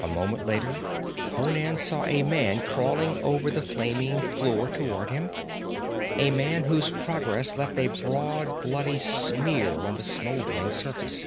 A moment later Conan saw a man crawling over the flaming floor toward him a man whose progress left a broad bloody smear on the smoldering surface.